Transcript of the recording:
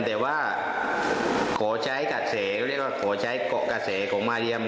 แต่ว่าโขเช้กเซก็เรียกว่าโขเช้กเซของมารีย่ำ